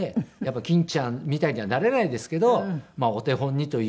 欽ちゃんみたいにはなれないですけどお手本にというか。